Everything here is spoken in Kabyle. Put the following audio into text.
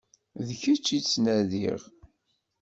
D kečč i ttnadiɣ.